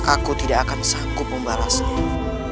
aku tidak akan sanggup membarasnya